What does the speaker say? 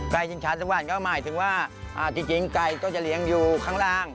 ชิงช้าทุกวันก็หมายถึงว่าจริงไก่ก็จะเลี้ยงอยู่ข้างล่าง